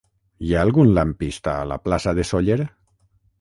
Hi ha algun lampista a la plaça de Sóller?